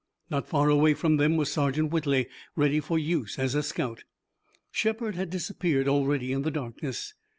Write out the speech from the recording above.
Not far away from them was Sergeant Whitley, ready for use as a scout. Shepard had disappeared already in the darkness.